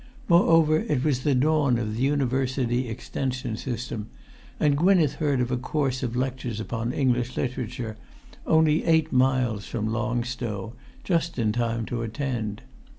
Moreover, it was the dawn of the University Extension system, and Gwynneth heard of a course of lectures upon English literature, only eight miles from Long Stow, just in time to attend.